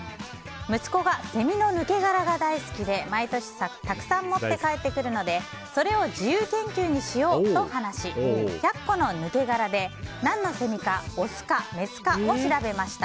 息子がセミの抜け殻が大好きで毎年たくさん持って帰ってくるのでそれを自由研究にしようと話し１００個の抜け殻で何のセミかオスかメスかを調べました。